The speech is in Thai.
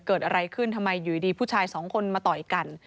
เกิดอะไรขึ้นทำไมอยู่ดีผู้ชายสองคนมาต่อยกัน